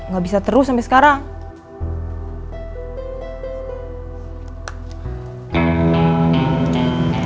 gak bisa terus sampai sekarang